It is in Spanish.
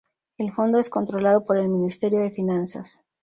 El fondo es controlado por el Ministerio de Finanzas.